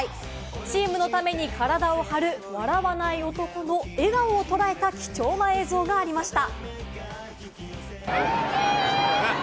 チームのために体を張る笑わない男の笑顔を捉えた貴重な映像がありました。